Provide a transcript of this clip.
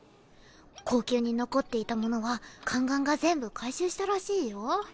後宮に残っていたものは宦官が全部回収したらしいよ。